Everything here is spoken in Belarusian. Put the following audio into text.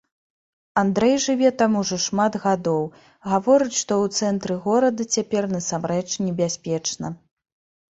Андрэй жыве там ужо шмат гадоў, гаворыць, што ў цэнтры горада цяпер насамрэч небяспечна.